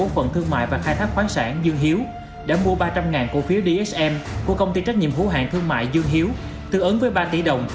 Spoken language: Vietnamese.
vào ngày ba tháng tám năm hai nghìn hai mươi hai mua chín trăm chín mươi năm cổ phiếu dsm tư ứng với chín chín mươi năm tỷ đồng